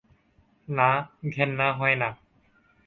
না, ঘেন্না হয় না।